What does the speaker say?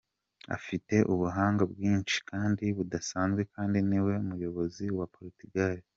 Afite ubuhanga bwinshi kandi budasanzwe kandi niwe muyobozi wa Portugal.